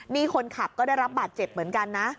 นี่คนขับก็ได้รับบาดเจ็บเหมือนกันนะ